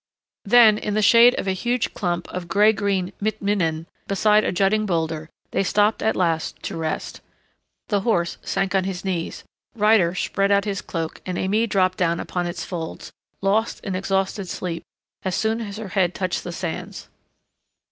Then, in the shade of a huge clump of gray green mit minan beside a jutting boulder they stopped at last to rest. The horse sank on his knees; Ryder spread out his cloak and Aimée dropped down upon its folds, lost in exhausted sleep as soon as her head touched the sands.